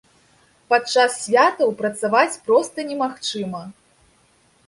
Падчас святаў працаваць проста немагчыма.